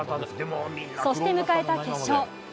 そして、迎えた決勝。